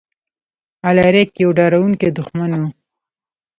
الاریک یو ډاروونکی دښمن و.